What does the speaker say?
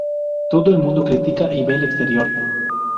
Todo el mundo critica y ve el exterior.